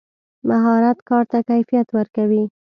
مهارت کار ته کیفیت ورکوي.